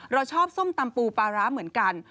เราชอบส้มตำปูปลาร้าเหมือนกัน